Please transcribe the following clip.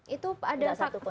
itu ada faktor apa